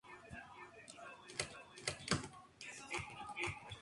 Parece ser que el rey se curó y en agradecimiento mandó levantar dicha iglesia.